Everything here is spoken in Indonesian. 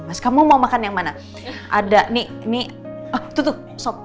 mas kamu mau makan yang mana ada nih nih tuh tuh sup